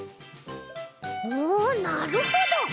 おなるほど！